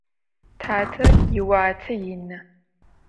Tate yiuate yinı.